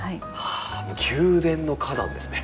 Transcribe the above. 宮殿の花壇ですね。